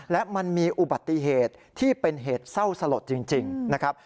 และมันมีอุบัติเหตุที่เป็นเหตุเศร้าสลดจริงนะครับ